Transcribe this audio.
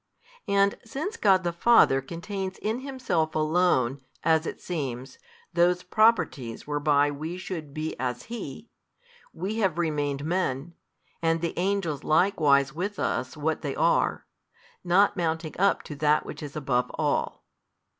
And since God the Father contains in Himself Alone, as it seems, those Properties whereby we should be as He, we have remained men, and the angels likewise with us what they are, not mounting up to That which is above all.